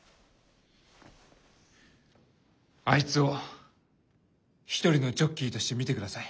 あいつを一人のジョッキーとして見てください！